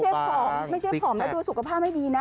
ผอมไม่ใช่ผอมแล้วดูสุขภาพไม่ดีนะ